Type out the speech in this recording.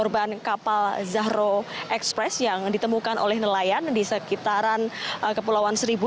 dan kapal zahro express yang ditemukan oleh nelayan di sekitaran kepulauan seribu